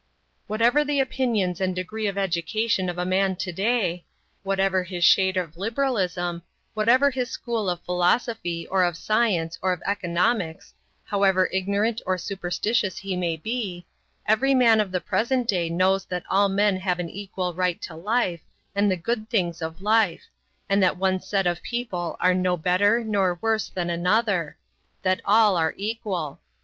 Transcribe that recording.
Whatever the opinions and degree of education of a man of to day, whatever his shade of liberalism, whatever his school of philosophy, or of science, or of economics, however ignorant or superstitious he may be, every man of the present day knows that all men have an equal right to life and the good things of life, and that one set of people are no better nor worse than another, that all are equal.